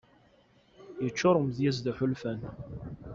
Yeččur umedyaz d iḥulfan.